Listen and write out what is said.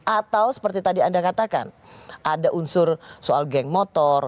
atau seperti tadi anda katakan ada unsur soal geng motor